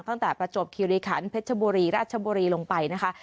ตั้งแต่ประจวบคีรีขันเพชรบุรีราชบุรีลงไปนะคะ